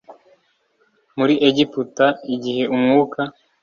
muri egiputa a igihe umwuka